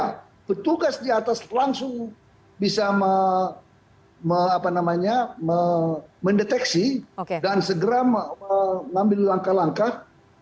karena petugas di atas langsung bisa mendeteksi dan segera mengambil langkah langkah